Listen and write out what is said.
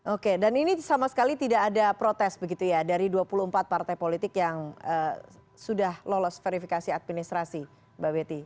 oke dan ini sama sekali tidak ada protes begitu ya dari dua puluh empat partai politik yang sudah lolos verifikasi administrasi mbak betty